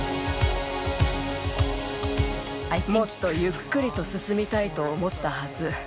もっとゆっくりと進みたいと思ったはず。